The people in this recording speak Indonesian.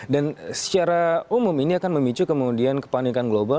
dan secara umum ini akan memicu kemudian kepanikan global